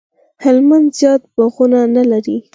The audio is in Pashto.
هلمند زیات باغونه نه لري